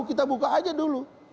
kita buka aja dulu